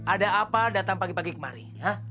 ada apa datang pagi pagi kemarin